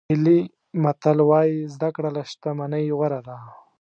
سوهیلي متل وایي زده کړه له شتمنۍ غوره ده.